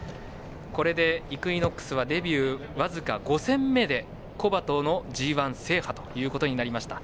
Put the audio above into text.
これでイクイノックスはデビュー僅か５戦目で古馬とのＧＩ制覇となりました。